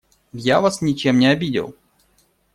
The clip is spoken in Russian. Я вас ничем не обидел.